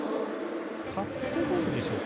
カットボールでしょうか。